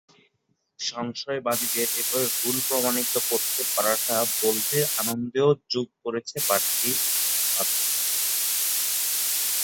সংশয়বাদীদের এভাবে ভুল প্রমাণিত করতে পারাটা বোল্টের আনন্দেও যোগ করেছে বাড়তি মাত্রা।